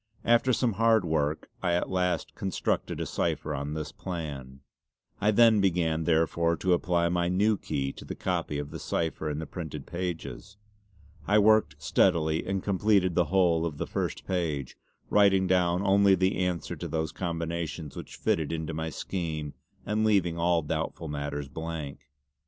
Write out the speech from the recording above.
After some hard work I at last constructed a cipher on this plan. See Appendix D. I then began therefore to apply my new key to the copy of the cipher in the printed pages. I worked steadily and completed the whole of the first page, writing down only the answer to those combinations which fitted into my scheme, and leaving all doubtful matters blank.